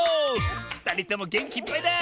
ふたりともげんきいっぱいだ！